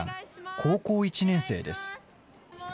高校１年生です。